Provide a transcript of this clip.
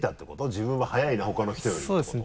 「自分は速いなほかの人より」ってことを。